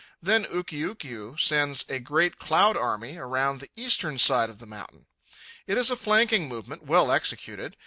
Then Ukiukiu sends a great cloud army around the eastern side of the mountain. It is a flanking movement, well executed.